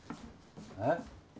えっ？